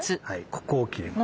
ここを切ります。